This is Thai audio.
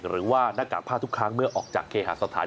หรือว่าหน้ากากผ้าทุกครั้งเมื่อออกจากเกษฐศาสตร์